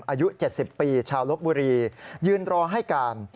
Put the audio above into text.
อายุ๗๐ปีชาวลบบุรียืนรอให้การ